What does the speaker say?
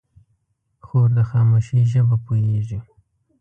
خور د خاموشۍ ژبه پوهېږي.